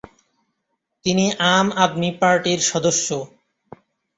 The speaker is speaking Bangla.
তিনি আম আদমি পার্টির সদস্য।